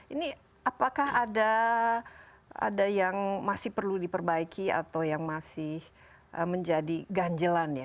ini apakah ada yang masih perlu diperbaiki atau yang masih menjadi ganjelan ya